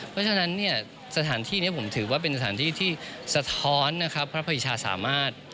เพราะฉะนั้นเนี่ยสถานที่นี้ผมถือว่าเป็นสถานที่ที่สะท้อนนะครับพระพีชาสามารถ